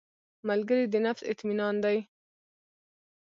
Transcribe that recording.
ملګری د نفس اطمینان دی